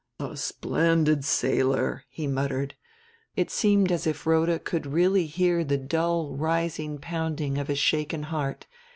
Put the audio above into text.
"A splendid sailor," he muttered. It seemed as if Rhoda could really hear the dull rising pounding of his shaken heart.